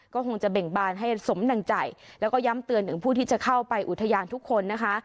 ก็คงจะเบ่งบานให้สมดังใจแล้วก็ย้ำเตือนถึงผู้ที่จะเข้าไปอุทยานทุกคนนะคะ